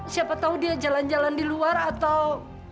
siapa tahu dia jalan jalan di luar atau